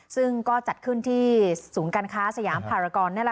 ซึ่งก็จัดขึ้นที่สูงการค้าสยามพารากรนั่นแหละค่ะ